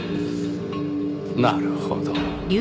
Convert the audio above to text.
なるほど。